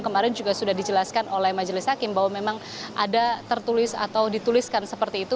kemarin juga sudah dijelaskan oleh majelis hakim bahwa memang ada tertulis atau dituliskan seperti itu